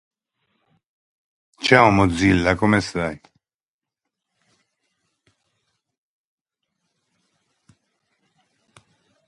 She is best known for her role as Renee on "Kids Incorporated".